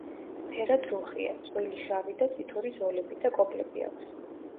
ფერად რუხია, წვრილი შავი და წითური ზოლები და კოპლები აქვს.